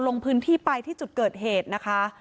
ลงพื้นที่ไปที่จุดเกิดเหตุนะคะ